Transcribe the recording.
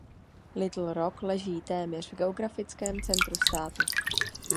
Little Rock leží téměř v geografickém centru státu.